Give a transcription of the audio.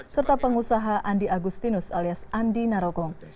serta pengusaha andi agustinus alias andi narogong